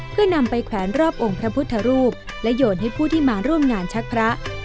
เพื่อนำไปแขวนรอบองค์พระพุทธรูปและโยนให้ผู้ที่มาร่วมงานชักพระ